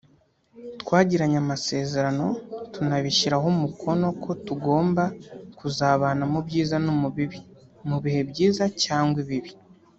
twagiranye amasezerano tunabishyiraho umukono ko tugomba kuzabana mu byiza no mu bibi “mu bihe byiza cyangwa ibibi”